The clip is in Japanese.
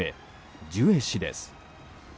ジュエ氏です。